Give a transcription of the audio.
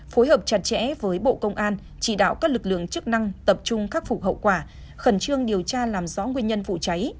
phối hợp chặt chẽ với bộ công an chỉ đạo các lực lượng chức năng tập trung khắc phục hậu quả khẩn trương điều tra làm rõ nguyên nhân vụ cháy